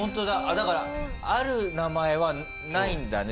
だからある名前はないんだね。